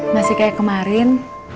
masih kayak kemarin